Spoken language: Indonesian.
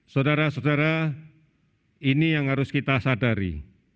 saudara saudara ini yang harus kita sadari